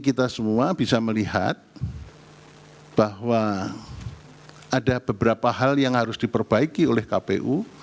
kita semua bisa melihat bahwa ada beberapa hal yang harus diperbaiki oleh kpu